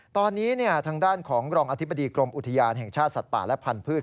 ตอนนี้ทางด้านของรองอธิบดีกรมอุทยานแห่งชาติสัตว์ป่าและพันธุ์